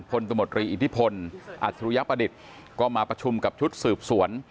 ตมตรีอิทธิพลอัจฉริยประดิษฐ์ก็มาประชุมกับชุดสืบสวน